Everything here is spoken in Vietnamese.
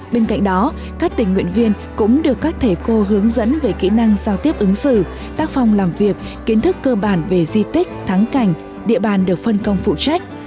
bên cạnh đó các tình nguyện viên cũng được các thể cô hướng dẫn về kỹ năng giao tiếp ứng xử tác phong làm việc kiến thức cơ bản về di tích thắng cảnh địa bàn được phân công phụ trách